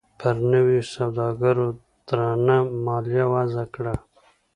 پر نویو سوداګرو درنه مالیه وضعه کړه.